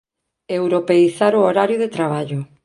Europeizar o horario de traballo